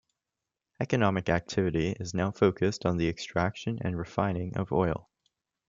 Economic activity is now focused on the extraction and refining of oil.